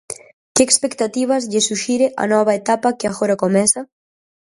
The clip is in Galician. Que expectativas lle suxire a nova etapa que agora comeza?